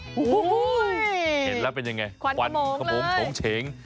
โอ้โฮเห็นแล้วเป็นอย่างไรดังโจรเฉงเลยขวานโขมงเลย